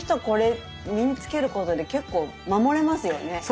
これ身に付けることで結構守れますよね。